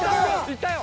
いったよ。